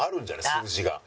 数字が。